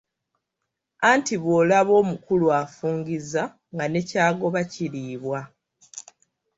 Anti bw'olaba omukulu afungizza nga ne ky'agoba kiriibwa.